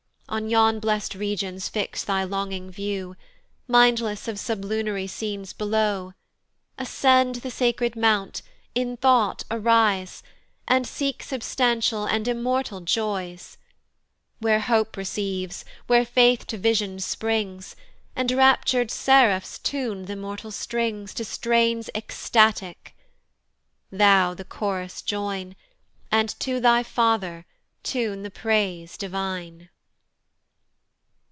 On yon blest regions fix thy longing view, Mindless of sublunary scenes below; Ascend the sacred mount, in thought arise, And seek substantial and immortal joys; Where hope receives, where faith to vision springs, And raptur'd seraphs tune th' immortal strings To strains extatic. Thou the chorus join, And to thy father tune the praise divine.